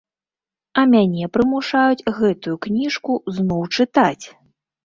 А мяне прымушаюць гэтую кніжку зноў чытаць!